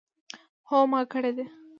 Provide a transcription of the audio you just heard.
هو ما کړی دی